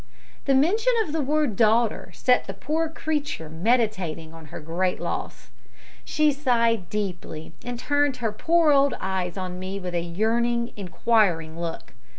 The mention of the word daughter set the poor creature meditating on her great loss. She sighed deeply, and turned her poor old eyes on me with a yearning, inquiring look.